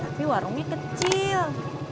tapi warungnya kecil